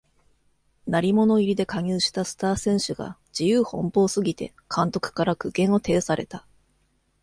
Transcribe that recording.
鳴り物入りで加入したスター選手が自由奔放すぎて監督から苦言を呈された